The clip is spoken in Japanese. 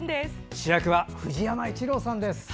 主役は藤山一郎さんです。